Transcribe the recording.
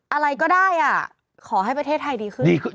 อะไรก็ได้ขอให้ประเทศไทยดีขึ้น